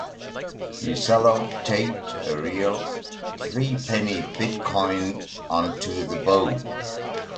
She sellotaped a real 'threepenny bit' coin onto the bow.